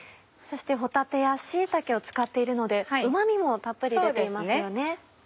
そして帆立や椎茸を使っているのでうま味もたっぷり出ていますよね。